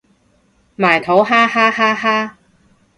埋土哈哈哈哈